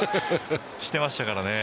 していましたからね。